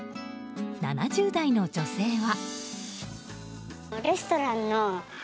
７０代の女性は。